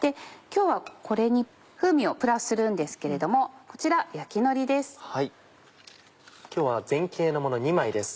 今日はこれに風味をプラスするんですけれどもこちら焼きのりです。